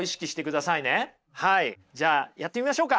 はいじゃあやってみましょうか。